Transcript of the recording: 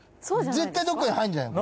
絶対どっかに入るんじゃない？